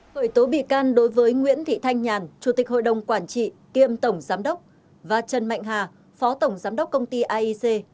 khởi tố bị can đối với nguyễn thị thanh nhàn chủ tịch hội đồng quản trị kiêm tổng giám đốc và trần mạnh hà phó tổng giám đốc công ty aic